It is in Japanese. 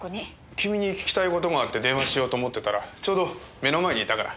君に聞きたい事があって電話しようと思ってたらちょうど目の前にいたから。